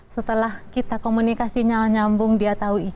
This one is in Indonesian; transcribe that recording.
setelah kita komunikasi nyambung dia tahu